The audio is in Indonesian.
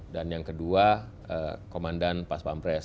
dan yang kedua komandan pas pampres